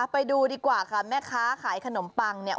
ไปดูดีกว่าค่ะแม่ค้าขายขนมปังเนี่ย